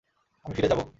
আমি ফিরে যাবো।